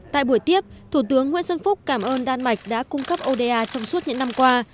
tại buổi tiếp thủ tướng nguyễn xuân phúc cảm ơn đan mạch đã cung cấp oda trong suốt những năm qua